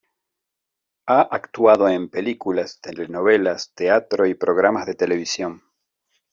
Ha actuado en películas, telenovelas, teatro y programas de televisión.